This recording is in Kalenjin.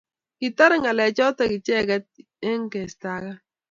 kitare ngalechoto kecheng icheget ak kestagan